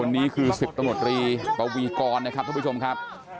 นี่คือ๑๐ตระหนดรีประวีกรนะครับท่านผู้ชมครับ